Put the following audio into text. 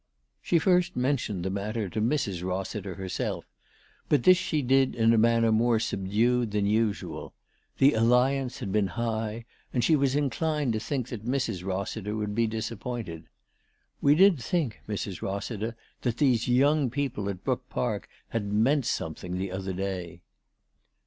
She first mentioned the matter to Mrs. Eossiter D D 402 ALICE DUGKDALE. herself ; but this she did in a manner more subdued than usual. The " alliance " had been high, and she was inclined to think that Mrs. Rossiter would be dis appointed. " We did think, Mrs. Rossiter, that these young people at Brook Park had meant something the other day."